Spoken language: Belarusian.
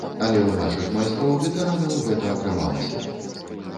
Але ў нашых майстроў-ветэранаў гэта атрымалася.